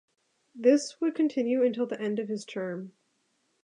This would continue until the end of his term.